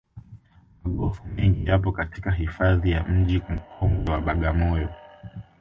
magofu mengi yapo katika hifadhi ya mji mkongwe wa bagamoyo